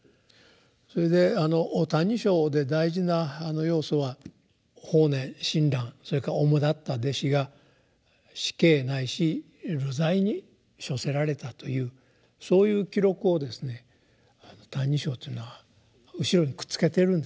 それで「歎異抄」で大事な要素は法然親鸞それからおもだった弟子が死刑ないし流罪に処せられたというそういう記録をですね「歎異抄」というのは後ろにくっつけているんですね。